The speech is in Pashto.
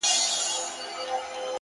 وير راوړي غم راوړي خنداوي ټولي يوسي دغه.